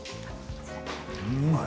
うまい！